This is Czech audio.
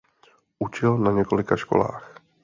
Učil na několika školách.